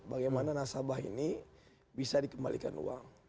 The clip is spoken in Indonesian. bagaimana nasabah ini bisa dikembalikan uang